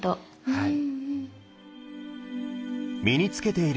はい。